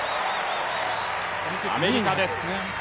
アメリカです。